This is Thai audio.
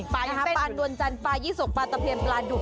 ปลาน้วนจันปลายี่สกปลาตะเพียปปลาดุป